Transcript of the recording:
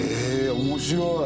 面白い